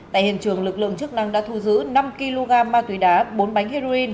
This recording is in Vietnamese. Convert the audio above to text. tại hiện trường lực lượng chức năng đã thu giữ năm kg ma túy đá bốn bánh heroin